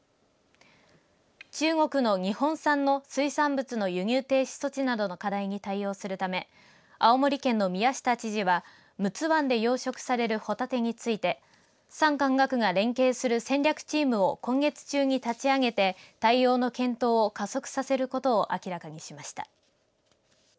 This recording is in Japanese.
中国の日本産の水産物の輸入停止措置などの課題に対応するため青森県の宮下知事は陸奥湾で養殖されるホタテについて産官学が連携する戦略チームを今月中に立ち上げて対応の検討を加速させることを明らかにしました。